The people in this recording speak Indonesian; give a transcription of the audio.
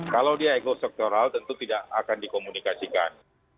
kalau dia ego sektoral tentu tidak akan dikomunikasikan